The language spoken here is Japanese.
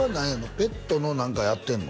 ペットの何かやってんの？